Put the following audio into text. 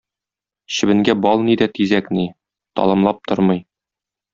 Чебенгә бал ни дә тизәк ни – талымлап тормый.